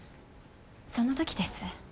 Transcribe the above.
その時です。